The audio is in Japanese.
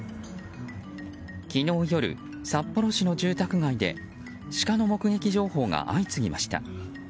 昨日夜、札幌市の住宅街でシカの目撃情報が相次ぎました。